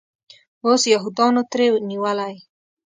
اوس یهودانو ترې نیولی.